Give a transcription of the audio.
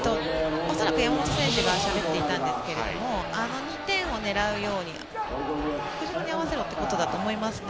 恐らく、山本選手がしゃべっていたんですが２点を狙うように後ろに合わせろということだと思いますね。